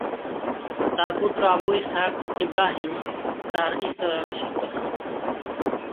তার পুত্র আবু ইসহাক ইব্রাহিম তার স্থলাভিষিক্ত হন।